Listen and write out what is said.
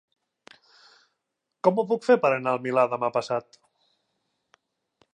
Com ho puc fer per anar al Milà demà passat?